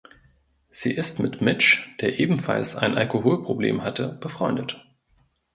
Sie ist mit Mitch, der ebenfalls ein Alkoholproblem hatte, befreundet.